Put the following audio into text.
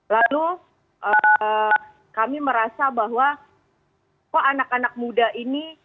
lalu kami merasa bahwa kok anak anak muda ini